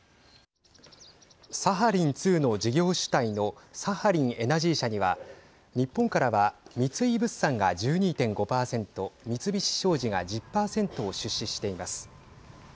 サハリン２の事業主体のサハリンエナジー社には日本からは三井物産が１２．５％三菱商事が１０％を出資しています。